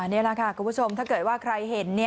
นี่แหละค่ะคุณผู้ชมถ้าเกิดว่าใครเห็น